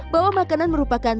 bahwa makanan merupakan